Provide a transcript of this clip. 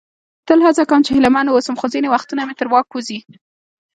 تل هڅه کوم چې هیله مند واوسم، خو ځینې وختونه مې تر واک ووزي.